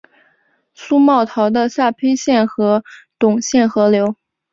苏茂逃到下邳郡和董宪合流。